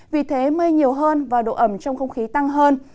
vì thế mây nhiều hơn và độ ẩm trong không khí tăng hơn